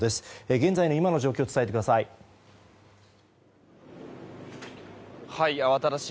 現在の状況を伝えてください。